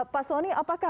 pak soni apakah